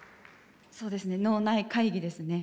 そうですね脳内会議ですね。